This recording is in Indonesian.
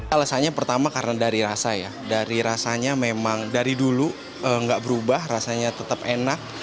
alasannya pertama karena dari rasa ya dari rasanya memang dari dulu nggak berubah rasanya tetap enak